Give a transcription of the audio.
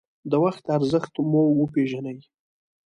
د وخت ارزښت مو وپېژنئ.